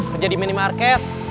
kerja di minimarket